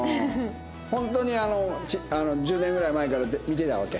ホントに１０年ぐらい前から見てたわけ？